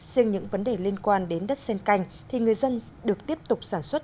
riêng những vấn đề liên quan đến đất sen canh thì người dân được tiếp tục sản xuất